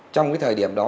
trong cái thời điểm đó